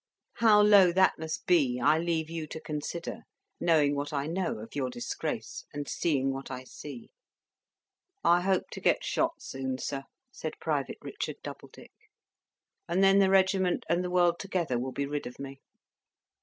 How low that must be, I leave you to consider, knowing what I know of your disgrace, and seeing what I see." "I hope to get shot soon, sir," said Private Richard Doubledick; "and then the regiment and the world together will be rid of me."